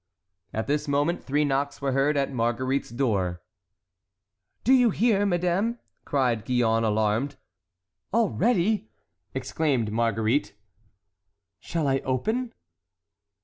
At this moment three knocks were heard at Marguerite's door. "Do you hear, madame?" cried Gillonne, alarmed. "Already!" exclaimed Marguerite. "Shall I open?"